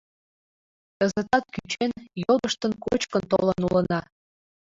Кызытат кӱчен, йодыштын кочкын толын улына.